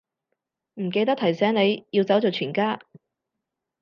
唔記得提醒你，要走就全家